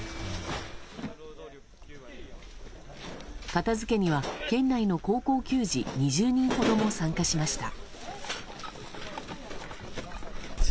片付けには県内の高校球児２０人ほども参加しました。